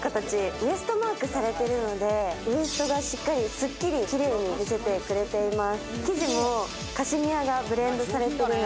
ウエストマークされているので、ウエストがしっかり、きれいに見せてくれています。